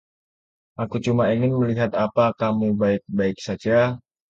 Aku cuma ingin melihat apa kamu baik-baik saja.